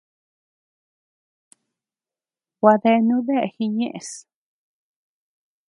Gua deanu dea jiñeʼes.